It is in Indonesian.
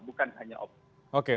bukan hanya opsi